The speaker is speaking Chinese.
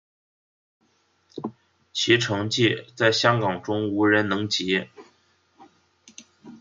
其成绩在香港中无人能及。